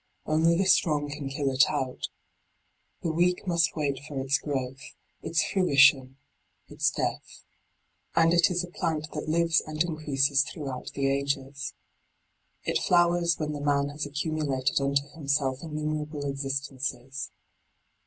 Only the strong can kill it out. The weak must wait for its growth, its fruition, its death. And it is a plant that lives and increases throughout the ages. It flowers when the man has accumulated unto himself innumerable existences.